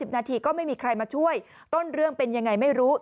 นาทีก็ไม่มีใครมาช่วยต้นเรื่องเป็นยังไงไม่รู้